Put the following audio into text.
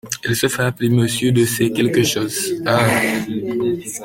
Il se fait appeler monsieur de Saint-quelque chose… — Ah !